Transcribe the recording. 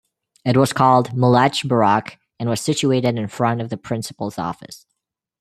It was called Meletre Baraque and was situated in front of the Principal's office.